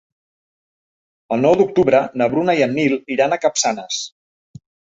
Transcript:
El nou d'octubre na Bruna i en Nil iran a Capçanes.